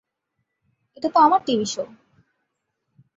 এটা তো আমার টিভি শো!